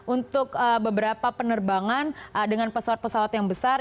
untuk beberapa penerbangan dengan pesawat pesawat yang besar